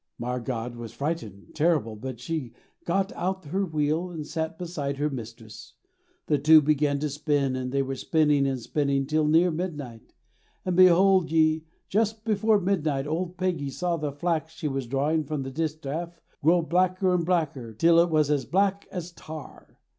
Margad was frightened, terrible, but she got out her wheel and sat beside her mistress. The two began to spin, and they were spinning and spinning till near midnight, and behold ye, just before midnight old Peggy saw the flax she was drawing from the distaff grow blacker and blacker till it was as black as tar.